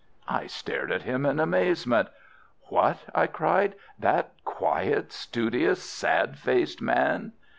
I stared at him in amazement. "What!" I cried, "that quiet, studious, sad faced man?"